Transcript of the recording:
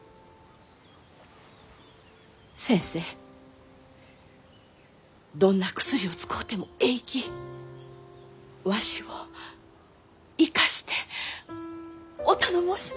先生どんな薬を使うてもえいきわしを生かしてお頼申します！